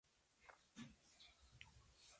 Jugaba de guardameta y su primer club fue el Peñarol.